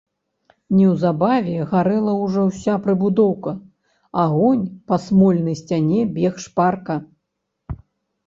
Неўзабаве гарэла ўжо ўся прыбудоўка, агонь па смольнай сцяне бег шпарка.